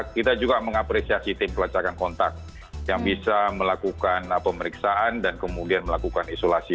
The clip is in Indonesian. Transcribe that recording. kita juga mengapresiasi tim pelacakan kontak yang bisa melakukan pemeriksaan dan kemudian melakukan isolasi